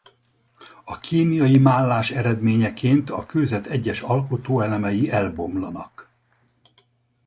A kémiai mállás eredményeként a kőzet egyes alkotóelemei elbomlanak.